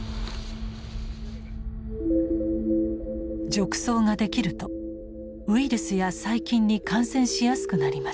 褥瘡ができるとウイルスや細菌に感染しやすくなります。